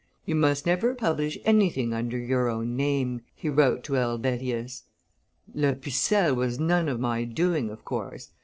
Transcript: "You must never publish anything under your own name," he wrote to Helvetius; "La Pucelle was none of my doing, of course.